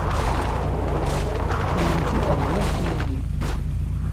Kennemti tebdamt yagi.